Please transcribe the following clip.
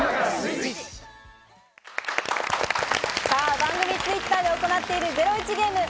番組Ｔｗｉｔｔｅｒで行っているゼロイチゲーム。